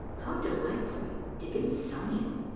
"How delightfully Dickensonian.